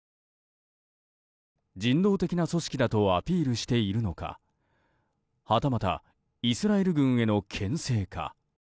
人道的な組織だとアピールしているのかはたまたイスラエル軍への牽制か。